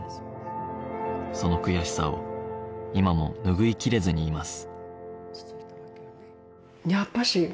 その悔しさを今も拭いきれずにいます